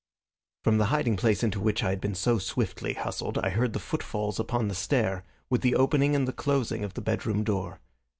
From the hiding place into which I had been so swiftly hustled I heard the footfalls upon the stair, with the opening and the closing of the bedroom door.